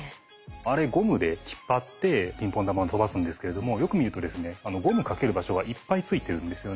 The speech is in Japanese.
あれゴムで引っ張ってピンポン玉を飛ばすんですけれどもよく見るとですねゴム掛ける場所がいっぱい付いてるんですよね。